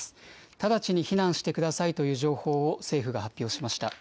直ちに避難してくださいという情報を政府が発表しました。